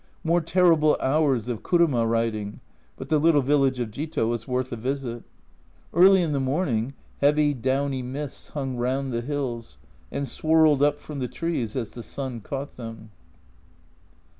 More terrible hours of kuruma riding but the little village of Jito was worth a visit. Early in the morning heavy downy mists hung round the hills, and swirled up from the trees as the sun caught them.